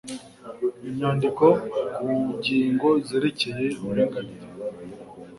Imyandiko ku ngingo zerekeye uburinganire